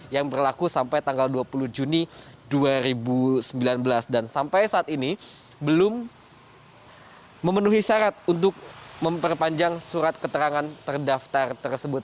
yang berlaku sampai tanggal dua puluh juni dua ribu sembilan belas dan sampai saat ini belum memenuhi syarat untuk memperpanjang surat keterangan terdaftar tersebut